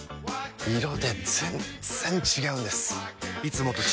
色で全然違うんです！